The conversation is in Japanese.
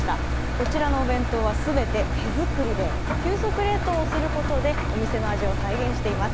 こちらのお弁当は全て手作りで、急速冷凍をすることでお店の味を再現しています。